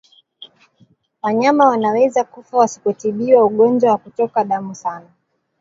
Wanyama wanaweza kufa wasipotibiwa ugonjwa wa kutoka damu sana